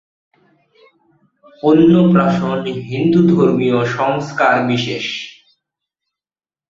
অন্নপ্রাশন হিন্দুধর্মীয় সংস্কার বিশেষ।